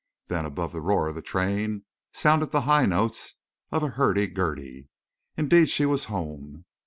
Then above the roar of the train sounded the high notes of a hurdy gurdy. Indeed she was home.